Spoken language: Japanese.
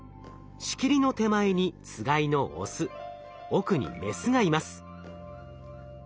仕切りの手前につがいのオス奥にメスがいます。